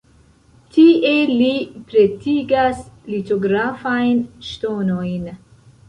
Tie li pretigas litografajn ŝtonojn.